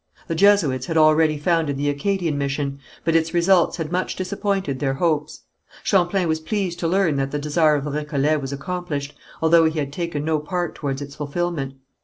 The Jesuits had already founded the Acadian mission, but its results had much disappointed their hopes. Champlain was pleased to learn that the desire of the Récollets was accomplished, although he had taken no part towards its fulfilment.